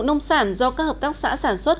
nông sản do các hợp tác xã sản xuất